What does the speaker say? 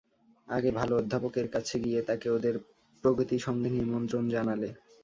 আগে ভালো অধ্যাপকের কাছে গিয়ে তাঁকে ওদের প্রগতিসংঘের নিমন্ত্রণ জানালে।